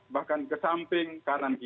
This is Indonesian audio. bahkan ke samping kanan kiri